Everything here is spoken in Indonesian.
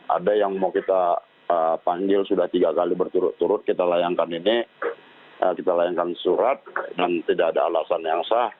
ada yang mau kita panggil sudah tiga kali berturut turut kita layankan ini kita layankan surat dan tidak ada alasan yang sah